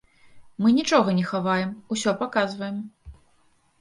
Мы нічога не хаваем, усё паказваем.